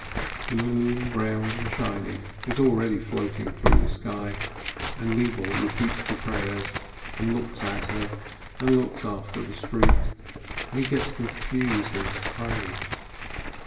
The moon, round and shining, is already floating through the sky, and Lebele repeats the prayers, and looks at her, and longs after the street, and he gets confused in his praying.